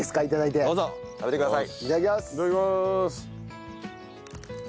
いただきます。